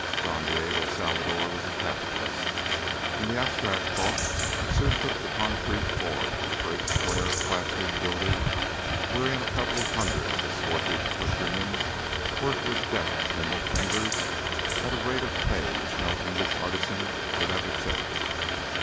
Don Diego Salvador was a capitalist, and the abstract thought soon took the concrete form of a great square plastered building wherein a couple of hundred of his swarthy countrymen worked with deft nimble fingers at a rate of pay which no English artisan could have accepted.